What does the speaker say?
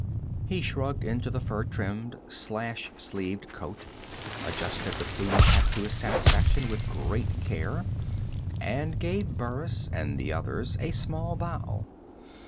He shrugged into the fur trimmed, slash sleeved coat, adjusted the plumed hat to his satisfaction with great care, and gave Burris and the others a small bow.